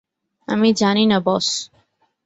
আমি জানিনা বস।